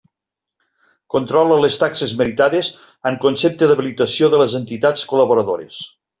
Controla les taxes meritades en concepte d'habilitació de les entitats col·laboradores.